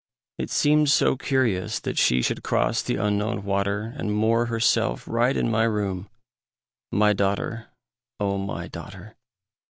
It seemed so curious that she Should cross the Unknown water, And moor herself right in my room, My daughter, O my daughter!